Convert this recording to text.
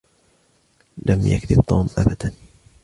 لم يكذب طوم أبدا